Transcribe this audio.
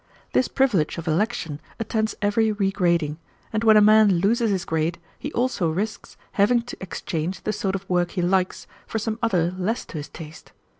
This privilege of election attends every regrading, and when a man loses his grade he also risks having to exchange the sort of work he likes for some other less to his taste.